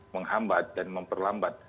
menghambat dan memperlambat